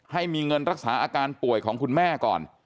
ให้มีเงินรักษาอาการป่วยของคุณแม่ก่อน